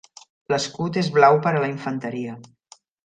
L'escut és blau per a la infanteria.